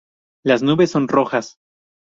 Las nubes son rojas.